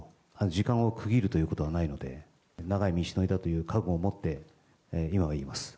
時間を区切るということはないので、長い道のりだという覚悟をもって、今はいます。